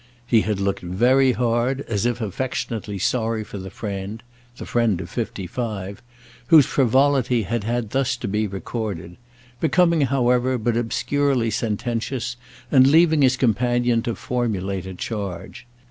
He had looked very hard, as if affectionately sorry for the friend—the friend of fifty five—whose frivolity had had thus to be recorded; becoming, however, but obscurely sententious and leaving his companion to formulate a charge.